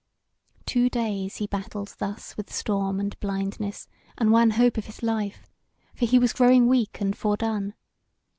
Two days he battled thus with storm and blindness, and wanhope of his life; for he was growing weak and fordone.